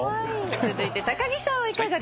続いて高城さんはいかがですか？